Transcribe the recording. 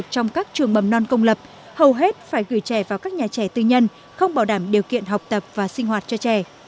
trong các trường mầm non công lập hầu hết phải gửi trẻ vào các nhà trẻ tư nhân không bảo đảm điều kiện học tập và sinh hoạt cho trẻ